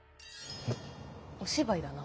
お芝居だな。